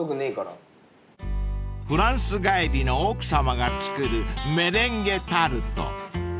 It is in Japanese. ［フランス帰りの奥さまが作るメレンゲタルト］